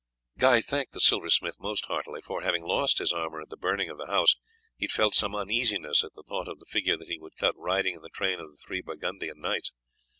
Guy thanked the silversmith most heartily, for, having lost his armour at the burning of the house, he had felt some uneasiness at the thought of the figure that he would cut riding in the train of the three Burgundian knights.